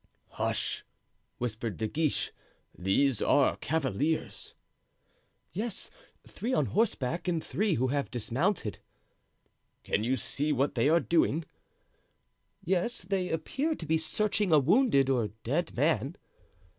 "Hush," whispered De Guiche, "these are cavaliers." "Yes, three on horseback and three who have dismounted." "Can you see what they are doing?" "Yes, they appear to be searching a wounded or dead man."